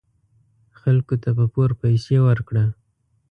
خلکو ته په پور پیسې ورکړه .